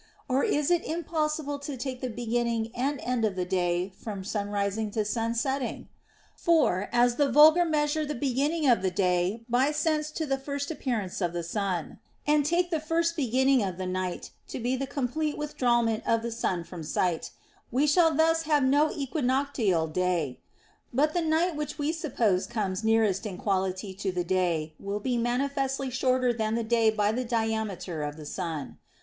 Or is it impossible to take the beginning and end of the day from sunrising to sunsetting 1 For, as the vulgar measure the beginning of the day by sense to be the first appearance of the sun, and take the first beginning of the night to be the complete withdrawment of the sun from sight, we shall thus have no equinoctial day ; but the night which we suppose comes nearest in equality to the day will be manifestly shorter than the day by the diameter '250 THE EOMAN QUESTIONS. of the sun.